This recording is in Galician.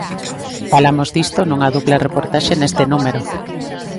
Falamos disto nunha dupla reportaxe neste número.